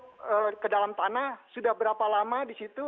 masuk ke dalam tanah sudah berapa lama di situ